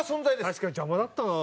確かに邪魔だったな。